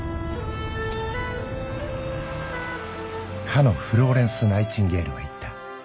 かのフローレンス・ナイチンゲールは言った